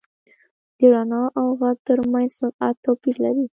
• د رڼا او ږغ تر منځ سرعت توپیر لري.